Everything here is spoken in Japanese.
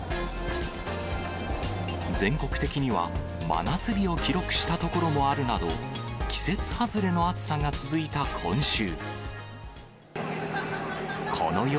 全国的には真夏日を記録した所もあるなど、季節外れの暑さが続いた今週。